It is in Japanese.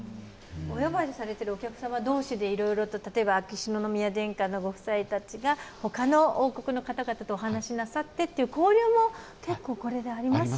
お呼ばれされているお客様同士で例えば秋篠宮殿下のご夫妻たちが他の王国の方々とお話しなさってという交流も結構ありますよね。